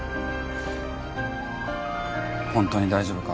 本当に大丈夫か？